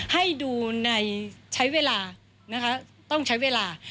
ให้ดูในใช้เวลานะคะต้องใช้เวลา